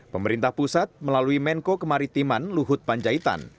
pemerintah pusat melalui menko kemaritiman luhut panjaitan